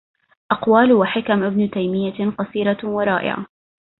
أقوال وحكم ابن تيمية قصيرة ورائعة:-